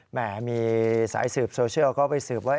แห่มีสายสืบโซเชียลเขาไปสืบว่า